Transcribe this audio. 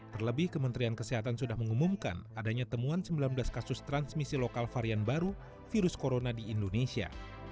terlebih kementerian kesehatan sudah mengumumkan adanya temuan sembilan belas kasus transmisi lokal varian baru virus corona di indonesia